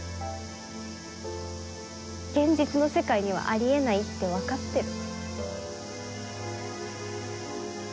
現実の世界にはあり得ないって分かってる。